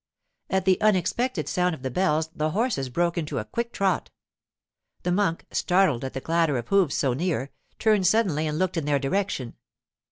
At the unexpected sound of the bells the horses broke into a quick trot. The monk, startled at the clatter of hoofs so near, turned suddenly and looked in their direction.